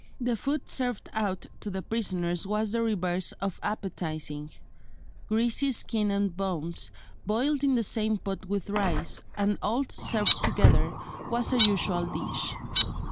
The food served out to the prisoners was the reverse of appetising: greasy skin and bones, boiled in the same pot with rice, and all served together, was a usual dish.